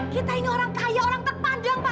kita ini orang kaya orang terpanjang pak